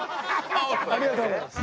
ありがとうございます。